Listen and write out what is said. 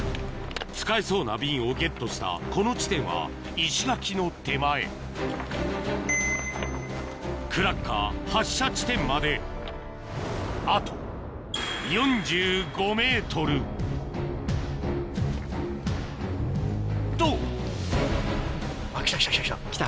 使えそうな瓶をゲットしたこの地点は石垣の手前クラッカー発射地点まであと４５ｍと！来た？